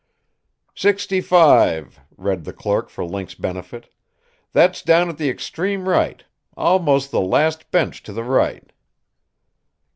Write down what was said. "Sixty five," read the clerk for Link's benefit. "That's down at the extreme right. Almost the last bench to the right."